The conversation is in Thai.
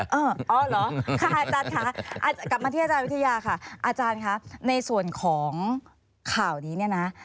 อ๋อเหรอค่ะอาจารย์ค่ะกลับมาที่อาจารย์วิทยาค่ะอาจารย์คะในส่วนของข่าวนี้เนี่ยนะ